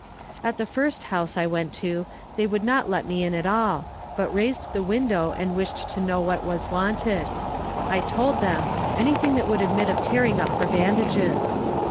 At the first house I went to they would not let me in at all, but raised the window and wished to know what was wanted. I told them, anything that would admit of tearing up for bandages.